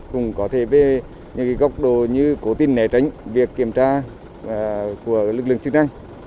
cũng có thể về những góc độ như cố tình né tránh việc kiểm tra của lực lượng chức năng